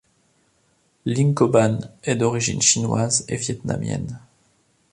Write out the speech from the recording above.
Linkoban est d'origine chinoise et vietnamienne.